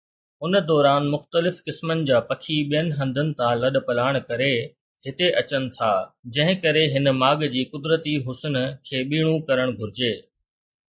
ان دوران مختلف قسمن جا پکي ٻين هنڌن تان لڏپلاڻ ڪري هتي اچن ٿا، جنهن ڪري هن ماڳ جي قدرتي حسن کي ٻيڻو ڪرڻ گهرجي.